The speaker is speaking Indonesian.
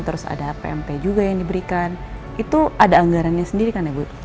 terus ada pmp juga yang diberikan itu ada anggarannya sendiri kan ya bu